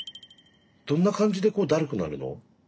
どんな感じでだるくなるの？